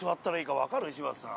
柴田さん。